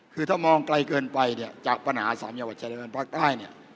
คือถ้ามองไกลเกินไปเนี่ยจากปัญหาสามจังหวัดเจริญภาคใต้เนี่ย